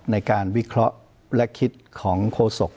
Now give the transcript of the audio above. ในการวิเคราะห์และคิดของโคนศักดิ์คริสต์ครับ